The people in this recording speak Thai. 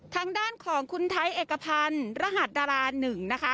ทางด้านของคุณไทยเอกพันธ์รหัสดารา๑นะคะ